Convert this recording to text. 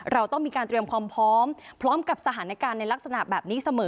เราต้องมีการเตรียมความพร้อมพร้อมกับสถานการณ์ในลักษณะแบบนี้เสมอ